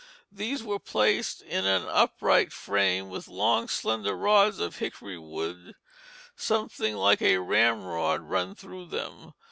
These were placed in an upright frame, with long slender rods of hickory wood something like a ramrod run through them.